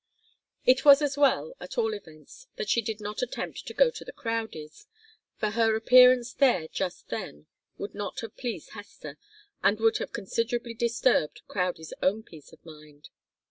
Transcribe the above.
It was as well, at all events, that she did not attempt to go to the Crowdies', for her appearance there just then would not have pleased Hester, and would have considerably disturbed Crowdie's own peace of mind.